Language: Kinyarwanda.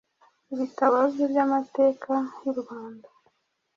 Ibitabo bye by’amateka y’u Rwanda: ‘